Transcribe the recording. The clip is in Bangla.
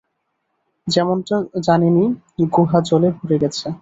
যেমনটা জানেনই গুহা জলে ভরে গেছে।